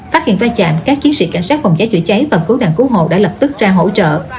phát hiện va chạm các chiến sĩ cảnh sát phòng cháy chữa cháy và cứu nạn cứu hộ đã lập tức ra hỗ trợ